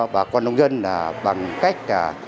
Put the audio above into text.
bà con nông dân bằng cách